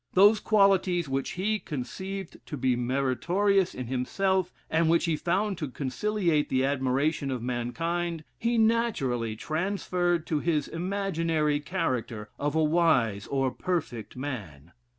Those qualities which he conceived to be meritorious in himself, and which he found to conciliate the admiration of mankind, he naturally transferred to his imaginary character of a wise or perfect man.